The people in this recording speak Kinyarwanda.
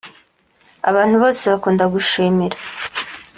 Abantu bose bakunda gushimira